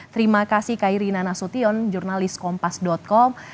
terima kasih kairina nasution jurnalis kompas com